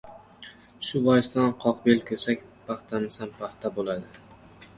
Shu boisdan qoqbel ko‘sak paxtamisan-paxta bo‘ladi!